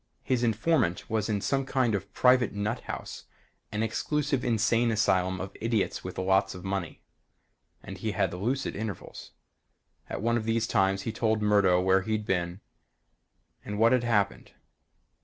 His informant was in some kind of a private nut house an exclusive insane asylum of idiots with lots of money and he had lucid intervals. At one of these times he told Murdo where he'd been and what had happened.